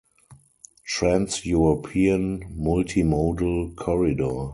Trans-European Multimodal Corridor.